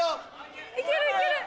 いけるいける！